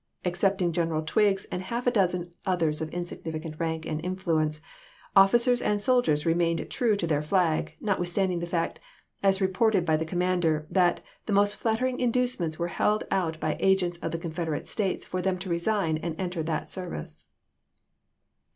Excepting General Twiggs and half a dozen others of insignificant rank and influ ence, officers and soldiers remained true to their flag, notwithstanding the fact, as reported by the commander, that "the most flattering inducements were held out by agents of the Confederate States for them to resign and enter that service."